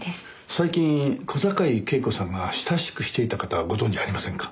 最近小坂井恵子さんが親しくしていた方をご存じありませんか？